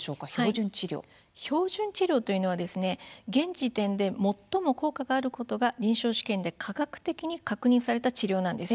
標準治療というのは現時点で最も効果があることが臨床試験で科学的に確認された治療です。